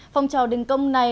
phòng trò đình công này